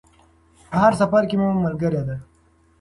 په هر سفر کې مو ملګرې ده.